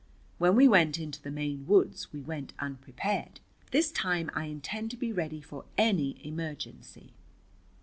When we went into the Maine woods we went unprepared. This time I intend to be ready for any emergency."